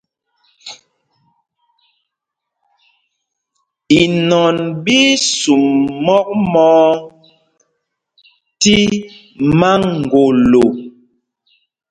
Inɔn ɓí í sum mɔk mɔɔ tí maŋgolo.